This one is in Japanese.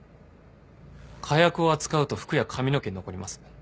火薬を扱うと服や髪の毛に残ります。